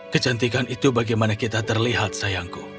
kecantikan itu bagaimana kita terlihat sayangku